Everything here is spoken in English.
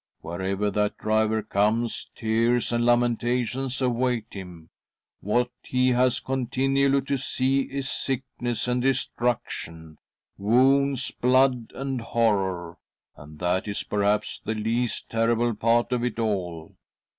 Wherever that driver comes, tears and lamentations await him ! What he has continually to see is sickness and destruction, wounds, blood, and horror. And that is perhaps the least' terrible part of it all.